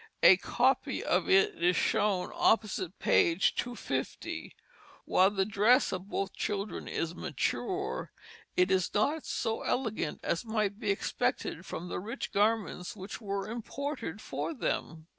A copy of it is shown opposite page 250. While the dress of both children is mature, it is not so elegant as might be expected from the rich garments which were imported for them.